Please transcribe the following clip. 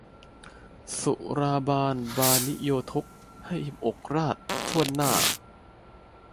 สุราบานบานิโยทก ให้อิ่มอกราษฎร์ถ้วนหน้า